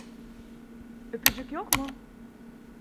Öpücük yok mu?